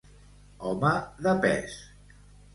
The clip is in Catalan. Home de pes.